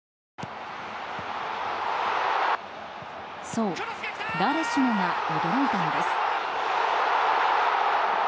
そう、誰しもが驚いたのです。